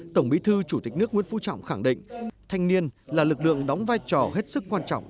tổng bí thư chủ tịch nước nguyễn phú trọng khẳng định thanh niên là lực lượng đóng vai trò hết sức quan trọng